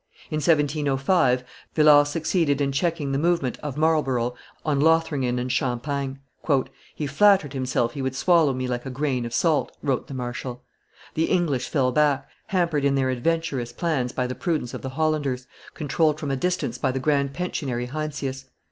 In 1705 Villars succeeded in checking the movement of Marlborough on Lothringen and Champagne. "He flattered himself he would swallow me like a grain of salt," wrote the marshal. The English fell back, hampered in their adventurous plans by the prudence of the Hollanders, controlled from a distance by the grand pensionary Heinsius.